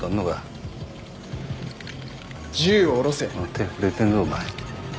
手震えてんぞお前。